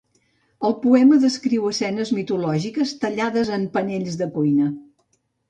El poema descriu escenes mitològiques tallades en panells de cuina.